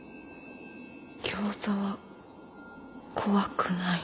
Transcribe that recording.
ギョーザは怖くない。